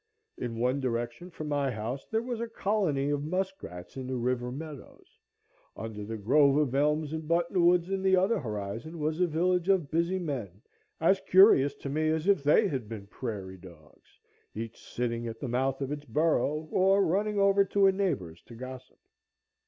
In one direction from my house there was a colony of muskrats in the river meadows; under the grove of elms and buttonwoods in the other horizon was a village of busy men, as curious to me as if they had been prairie dogs, each sitting at the mouth of its burrow, or running over to a neighbor's to gossip.